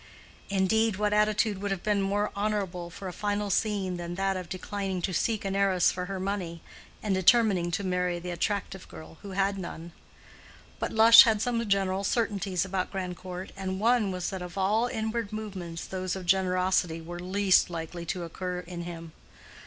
Indeed, what attitude would have been more honorable for a final scene than that of declining to seek an heiress for her money, and determining to marry the attractive girl who had none? But Lush had some general certainties about Grandcourt, and one was that of all inward movements those of generosity were least likely to occur in him.